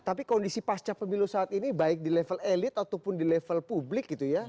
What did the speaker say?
tapi kondisi pasca pemilu saat ini baik di level elit ataupun di level publik gitu ya